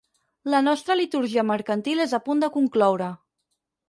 La nostra litúrgia mercantil és a punt de concloure.